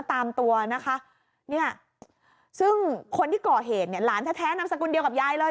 ตามตัวนะคะเนี่ยซึ่งคนที่ก่อเหตุเนี่ยหลานแท้นามสกุลเดียวกับยายเลย